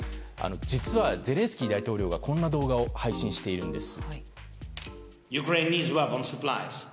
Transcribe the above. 実は、ゼレンスキー大統領がこんな動画を配信しているんです。